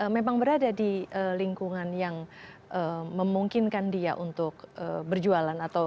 memang berada di lingkungan yang memungkinkan dia untuk berjualan atau